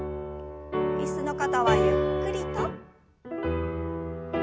椅子の方はゆっくりと。